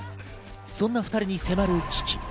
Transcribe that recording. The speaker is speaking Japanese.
そんな２人に迫る危機。